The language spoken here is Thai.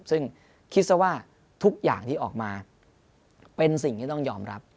ซึ่งคิดซะว่าทุกอย่างที่ออกมาเป็นสิ่งที่ต้องยอมรับ